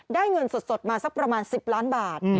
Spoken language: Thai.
เงินสดมาสักประมาณ๑๐ล้านบาท